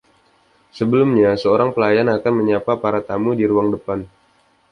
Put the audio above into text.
Sebelumnya, seorang pelayan akan menyapa para tamu di Ruang Depan.